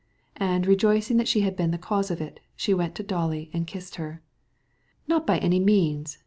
and rejoicing that she was the cause of it, she went up to Dolly and kissed her. "Not at all.